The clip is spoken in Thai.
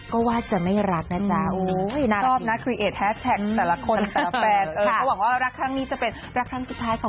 ก็เป็นอย่างนี้ก็เป็นให้ตลอดละกัน